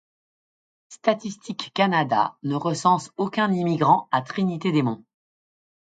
Statistiques Canada ne recense aucun immigrant à Trinité-des-Monts.